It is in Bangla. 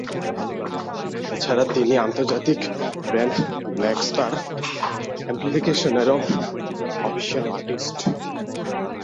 এ ছাড়া তিনি আন্তর্জাতিক ব্র্যান্ড ব্ল্যাকস্টার অ্যামপ্লিফিকেশনেরও অফিশিয়াল আর্টিস্ট।